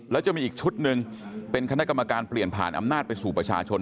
แล้วจะมีอีกชุดหนึ่งเป็นคณะกรรมการเปลี่ยนผ่านอำนาจไปสู่ประชาชน